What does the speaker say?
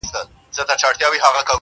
ستونی د شپېلۍ به نغمه نه لري.!